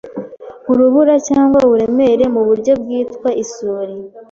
uruburacyangwa uburemere muburyo bwitwa isuri